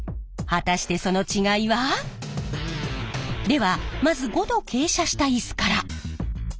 果たしてその違いは？ではまず５度傾斜したイスから。